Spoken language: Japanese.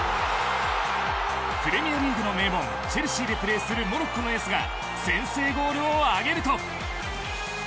プレミアリーグの名門チェルシーでプレーするモロッコのエースが先制ゴールを挙げると。